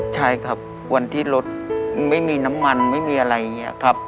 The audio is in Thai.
ใช่ครับวันที่รถไม่มีน้ำมันไม่มีอะไรอย่างนี้ครับ